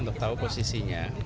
untuk tahu posisinya